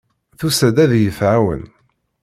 Tusa-d ad iyi-tɛawen.